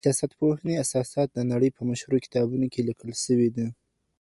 د سیاستپوهني اساسات د نړۍ په مشهورو کتابونو کي لیکل سوي دي.